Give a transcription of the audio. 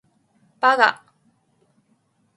八嘎！